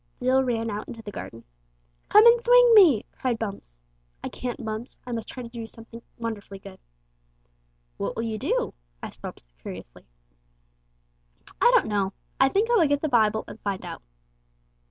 Jill ran out into the garden. "Come and thwing me!" cried Bumps. "I can't, Bumps, I must try to do something wonderfully good." "What will you do?" asked Bumps curiously. "I don't know; I think I will get the Bible and find out."